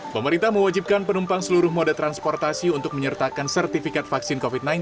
pemerintah mewajibkan penumpang seluruh moda transportasi untuk menyertakan sertifikat vaksin covid sembilan belas